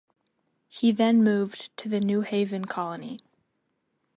He then moved to the New Haven Colony.